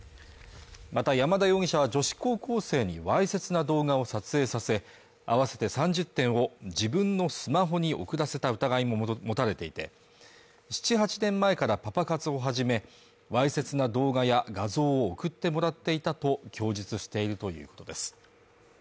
また山田容疑者は女子高校生にわいせつな動画を撮影させ合わせて３０点を自分のスマホに送らせた疑いも持たれていて７８年前からパパ活を始めわいせつな動画や画像を送ってもらっていたと供述しているということです